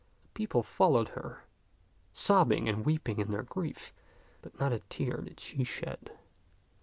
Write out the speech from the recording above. The people followed her, sobbing and weeping in their grief, but not a tear did she shed.